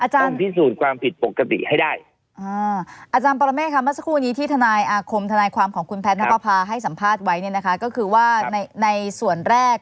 ต้องพิสูจน์ความผิดปกติให้ได้